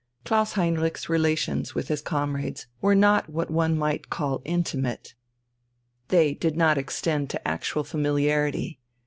Klaus Heinrich's relations with his comrades were not what one might call intimate, they did not extend to actual familiarity.